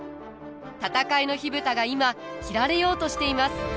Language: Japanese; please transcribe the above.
戦いの火蓋が今切られようとしています！